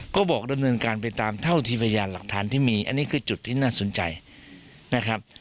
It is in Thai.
ก็บอกดำเนินการไปตามเท่าที่พยานหลักฐานที่มีอันนี้คือจุดที่น่าสนใจนะครับ